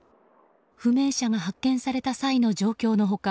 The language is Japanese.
不明者が発見された際の状況の他